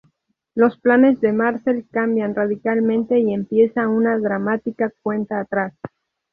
Los planes de Marcel cambian radicalmente y empieza una dramática cuenta atrás.